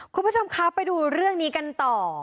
คุณผู้ชมคะไปดูเรื่องนี้กันต่อ